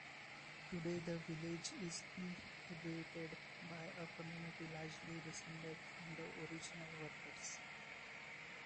Today the village is inhabited by a community largely descended from the original workers.